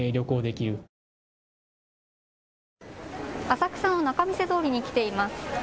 浅草の仲見世通りに来ています。